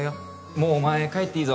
もうお前帰っていいぞ